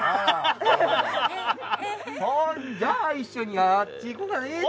じゃあ一緒にあっち行こうかねぇ。